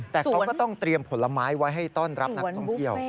แต่เขาก็ต้องเตรียมผลไม้ไว้ให้ต้อนรับนักท่องเที่ยว